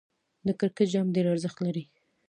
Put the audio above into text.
د کرکټ جام ډېر ارزښت لري.